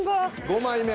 ５枚目。